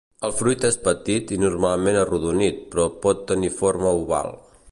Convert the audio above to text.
El fruit és petit i normalment arrodonit però pot tenir forma oval.